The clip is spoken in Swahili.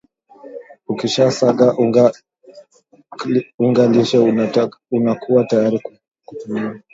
ukisha saga unga klishe unakua tayari kutumia